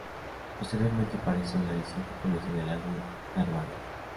Posteriormente apareció en la edición japonesa del álbum "Garbage".